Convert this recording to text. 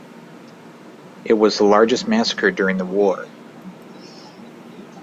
It was the largest massacre during the war.